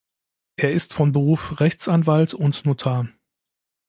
Er ist von Beruf Rechtsanwalt und Notar.